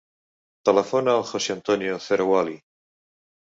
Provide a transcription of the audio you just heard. Telefona al José antonio Zerouali.